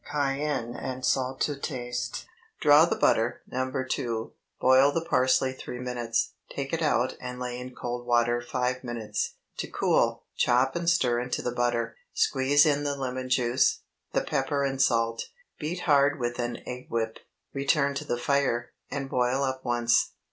Cayenne and salt to taste. Draw the butter (No. 2); boil the parsley three minutes; take it out and lay in cold water five minutes, to cool; chop and stir into the butter; squeeze in the lemon juice, the pepper and salt; beat hard with an egg whip, return to the fire, and boil up once.